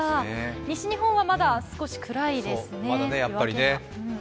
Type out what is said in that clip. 西日本はまだ少し暗いですね。